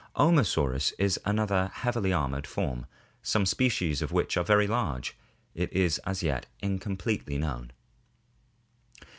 Omosaurus is another heavily armored form, some species of which were very large; it is as yet incompletely known.